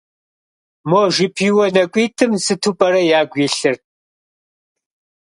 Мо жыпиуэ нэкӏуитӏым сыту пӏэрэ ягу илъыр?